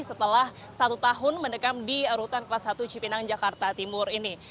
setelah satu tahun mendekam di rutan kelas satu cipinang jakarta timur ini